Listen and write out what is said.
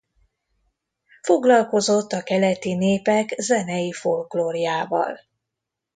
Foglalkozott a keleti népek zenei folklórjával.